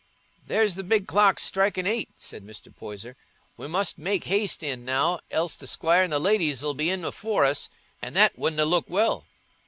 "There's the big clock strikin' eight," said Mr. Poyser; "we must make haste in now, else the squire and the ladies 'ull be in afore us, an' that wouldna look well."